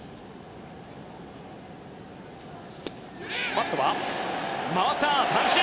バットは回った三振。